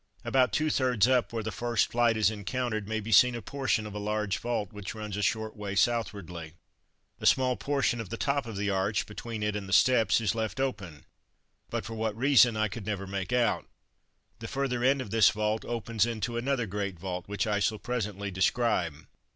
About two thirds up, where the first flight is encountered, may be seen a portion of a large vault which runs a short way southwardly. A small portion of the top of the arch, between it and the steps, is left open, but for what reason I never could make out. The further end of this vault opens into another great vault, which I shall presently describe.